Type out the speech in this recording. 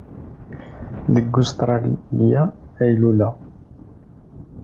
Deg Ustṛalya ay luleɣ.